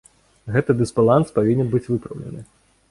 Гэты дысбаланс павінен быць выпраўлены.